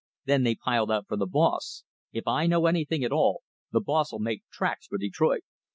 Then they piled out for the boss. If I know anything at all, the boss'll make tracks for Detroit."